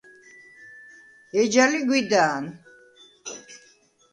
ეჯა ლი გვიდა̄ნ.